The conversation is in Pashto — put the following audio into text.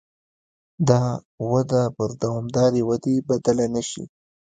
دا وده پر دوامدارې ودې بدله نه شي.